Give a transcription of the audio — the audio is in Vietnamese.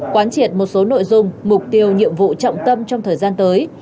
quán triệt một số nội dung mục tiêu nhiệm vụ trọng tâm trong thời gian tới